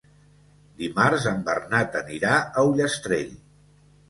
Dimarts en Bernat anirà a Ullastrell.